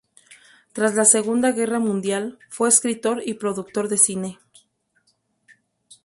Tras la Segunda Guerra Mundial, fue escritor y productor de cine.